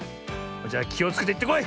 じゃあきをつけていってこい！